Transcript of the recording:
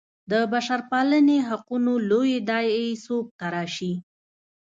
د بشرپالنې حقوقو لویې داعیې څوک تراشي.